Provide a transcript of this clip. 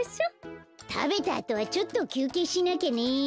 たべたあとはちょっときゅうけいしなきゃね。